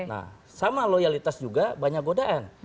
nah sama loyalitas juga banyak godaan